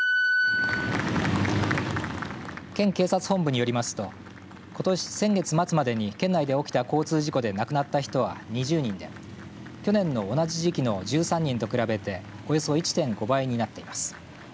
県警察本部によりますとことし先月末までに県内で起きた交通事故で亡くなった人は２０人で去年の同じ時期の１３人と比べておよそ１．５倍になっています。